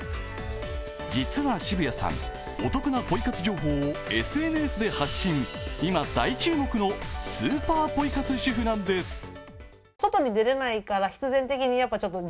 実は渋谷さん、お得なポイ活情報をＳＮＳで発信、今、大注目のスーパーポイ活主婦なんです。